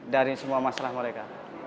dari semua masalah mereka